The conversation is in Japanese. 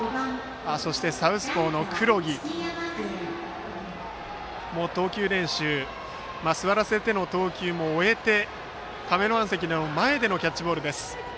サウスポーの黒木がキャッチャーを座らせての投球も終えてカメラマン席の前でのキャッチボールです。